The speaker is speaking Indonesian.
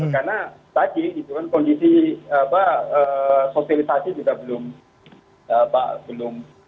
karena tadi itu kan kondisi sosialisasi juga belum berhasil